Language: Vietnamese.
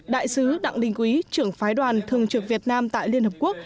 đại sứ đặng đình quý trưởng phái đoàn thường trực việt nam tại liên hợp quốc